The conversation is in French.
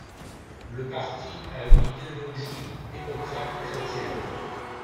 Le parti a une idéologie démocrate chrétienne.